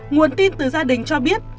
nguồn tin từ gia đình cho biết